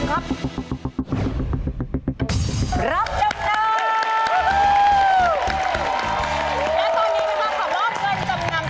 และตอนนี้เราเข้าลอบเงินจำนำ